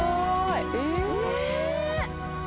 え！